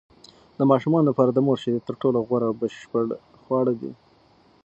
د ماشومانو لپاره د مور شیدې تر ټولو غوره او بشپړ خواړه دي.